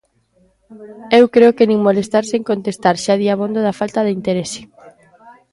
Eu creo que nin molestarse en contestar xa di abondo da falta de interese.